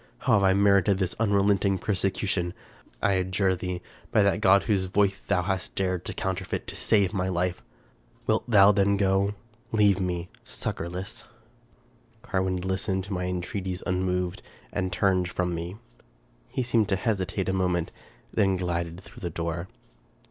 How have I merited this unrelenting persecution? I adjure thee, by that God whose voice thou hast dared to counterfeit, to save my life! " Wilt thou then go ?— leave me ! Succorless !" 298 Charles Brockdcn Brown Carwin listened to my entreaties unmoved, and turned from me. He seemed to hesitate a moment, — then glided through the door.